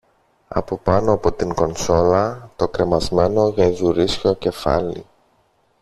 Από πάνω από την κονσόλα το κρεμασμένο γαϊδουρίσιο κεφάλι